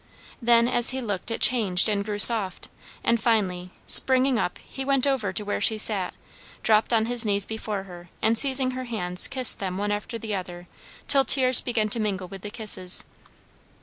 Then as he looked it changed and grew soft; and finally, springing up, he went over to where she sat, dropped on his knees before her, and seizing her hands kissed them one after the other till tears began to mingle with the kisses.